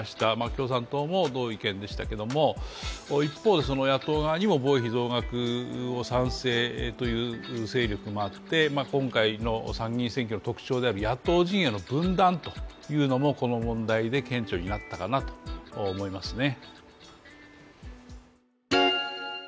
共産党も同意見でしたけれども、一方で野党側にも防衛費増額という勢力もあって、今回の参議院選挙の特徴である野党陣営の分断というのも、この問題で顕著になったかなと思いますね。